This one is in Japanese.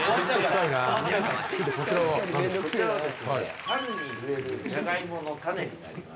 こちらは春に植えるじゃがいもの種になります。